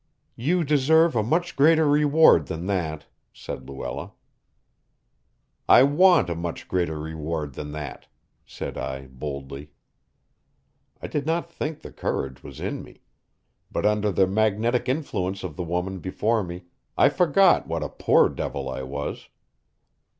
"You deserve a much greater reward than that," said Luella. "I want a much greater reward than that," said I boldly. I did not think the courage was in me. But under the magnetic influence of the woman before me I forgot what a poor devil I was.